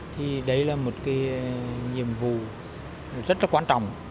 thì đây là một cái nhiệm vụ rất là quan trọng